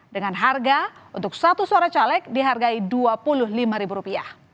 dengan harga untuk satu suara caleg dihargai rp dua puluh lima